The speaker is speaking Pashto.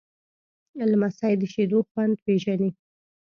لمسی د شیدو خوند پیژني.